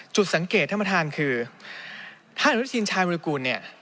จุดสังเกตที่มาทานคือท่านอนุญาตชีนชายบริกูลเนี่ย